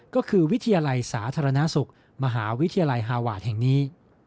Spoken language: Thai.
ก็คือวิทยาลัยสาธารณสุขมหาวิทยาลัยฮาวาสแห่งนี้